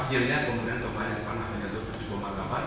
yennya kemudian kemarin pernah menjatuh